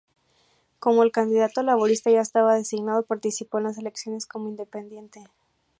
Como el candidato laborista ya estaba designado, participó de las elecciones como independiente.